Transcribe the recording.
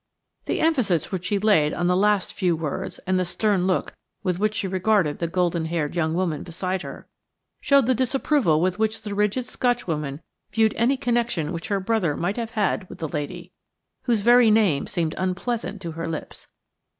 The emphasis which she laid on the last few words and the stern look with which she regarded the golden haired young woman beside her, showed the disapproval with which the rigid Scotchwoman viewed any connection which her brother might have had with the lady, whose very name seemed unpleasant to her lips.